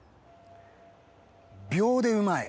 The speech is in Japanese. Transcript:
秒でうまい。